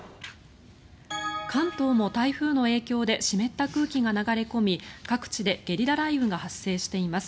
関東も台風の影響で湿った空気が流れ込み各地でゲリラ雷雨が発生しています。